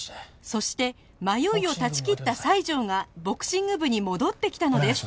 そして迷いを断ち切った西条がボクシング部に戻ってきたのです